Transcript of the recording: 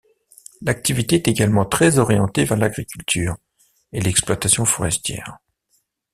L'activité est également très orientée vers l'agriculture et l'exploitation forestière.